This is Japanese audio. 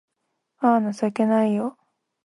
あぁ、情けないよ